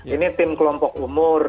ini tim kelompok umur